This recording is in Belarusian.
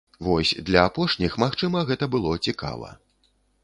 Вось для апошніх, магчыма, гэта было цікава.